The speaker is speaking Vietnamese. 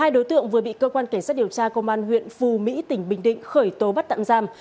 một mươi hai đối tượng vừa bị cơ quan kẻ sát điều tra công an huyện phù mỹ tỉnh bình định khởi tố bắt tạm giam